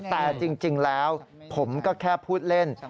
แต่จริงแล้วผมก็แค่พูดเล่น